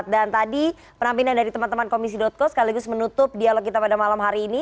dan tadi penampilan dari teman teman komisi co sekaligus menutup dialog kita pada malam hari ini